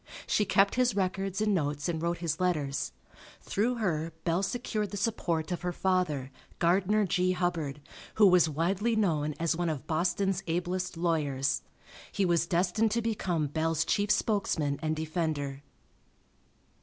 She kept his records and notes and wrote his letters. Through her Bell secured the support of her father, Gardiner G. Hubbard, who was widely known as one of Boston's ablest lawyers. He was destined to become Bell's chief spokesman and defender.